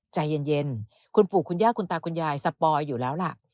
ใจเย็นคุณปู่คุณย่าคุณตาคุณยายสปอยอยู่แล้วล่ะ